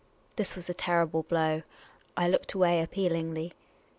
'' This was a terrible blow. I looked away appealingly.